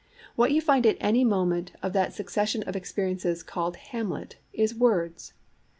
What you find at any moment of that succession of experiences called Hamlet is words.